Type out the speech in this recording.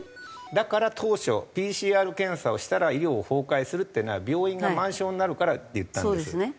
だから当初ＰＣＲ検査をしたら医療崩壊するっていうのは病院が満床になるからって言ったんです。